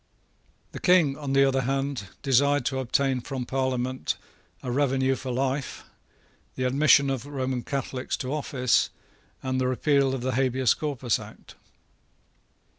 The King, on the other hand, desired to obtain from the Parliament a revenue for life, the admission of Roman Catholics to office, and the repeal of the Habeas Corpus Act.